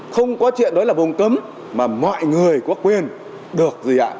không có chuyện đó là vùng cấm mà mọi người có quyền được gì ạ